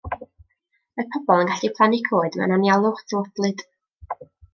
Mae pobl yn gallu plannu coed mewn anialwch tywodlyd.